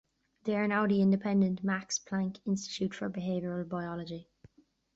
They are now the independent Max Planck Institute for Behavioural Biology.